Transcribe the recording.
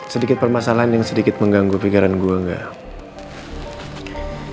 sedikit permasalahan yang sedikit mengganggu pikiran gue gak